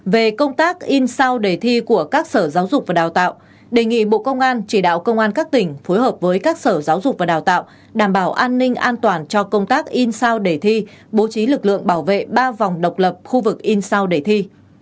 về công tác in sao đề thi của các sở giáo dục và đào tạo đề nghị bộ công an chỉ đạo công an các tỉnh phối hợp với các sở giáo dục và đào tạo đảm bảo an ninh an toàn cho công tác in sao để thi bố trí lực lượng bảo vệ ba vòng độc lập khu vực in sao để thi